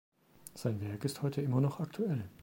Sein Werk ist heute immer noch aktuell.